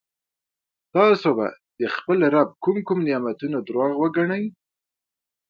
تاسو به د خپل رب کوم کوم نعمتونه درواغ وګڼئ.